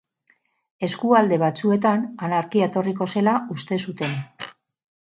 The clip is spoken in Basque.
Eskualde batzuetan anarkia etorriko zela uste zuten.